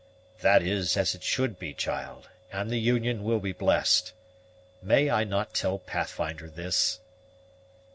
"That is as it should be, child, and the union will be blessed. May I not tell Pathfinder this?"